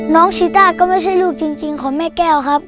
ชีต้าก็ไม่ใช่ลูกจริงของแม่แก้วครับ